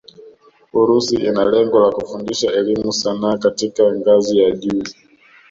Urusi ina lengo la kufundisha elimu sanaa katika ngazi ya juu